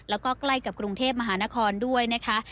แล้วก็ใกล้กับกรุงเทพมหานครด้วยนะคะ